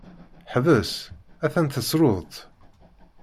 Ḥbes! Atan tessruḍ-t!